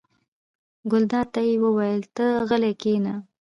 ګلداد ته یې وویل: ته غلی کېنه.